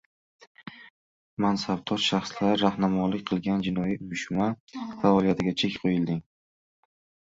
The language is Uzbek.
Mansabdor shaxslar rahnamolik qilgan jinoiy uyushma faoliyatiga chek qo‘yilding